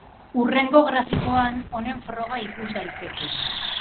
Hurrengo grafikoan honen froga ikus daiteke.